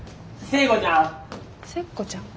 聖子ちゃん？